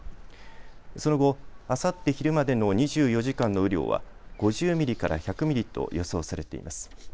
その後、あさって昼までの２４時間の雨量は５０ミリから１００ミリと予想されています。